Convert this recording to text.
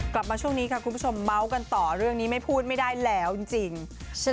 กลับมาช่วงนี้ค่ะคุณผู้ชมเมาส์กันต่อเรื่องนี้ไม่พูดไม่ได้แล้วจริง